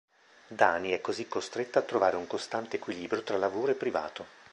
Dani è così costretta a trovare un costante equilibrio tra lavoro e privato.